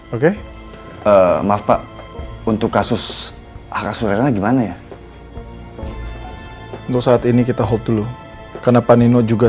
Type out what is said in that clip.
oke maaf pak untuk kasus akasul rana gimana ya untuk saat ini kita hold dulu karena panino juga